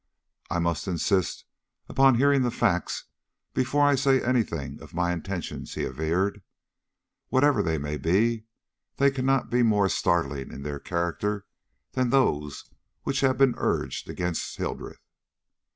"I must insist upon hearing the facts before I say any thing of my intentions," he averred. "Whatever they may be, they cannot be more startling in their character than those which have been urged against Hildreth."